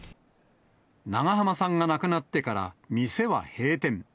長濱さんが亡くなってから店は閉店。